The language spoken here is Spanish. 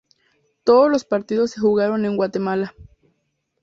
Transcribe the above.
Todos los partidos se jugaron en Guatemala.